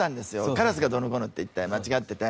カラスがどうのこうのって言って間違ってて。